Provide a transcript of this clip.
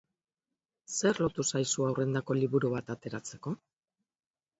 Zer lotu zaizu haurrendako liburu bat ateratzeko?